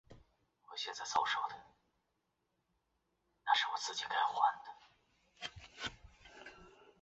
名字由来于古希腊神话中的战神阿瑞斯。